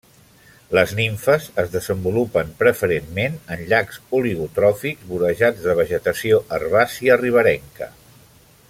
Les nimfes es desenvolupen preferentment en llacs oligotròfics vorejats de vegetació herbàcia riberenca.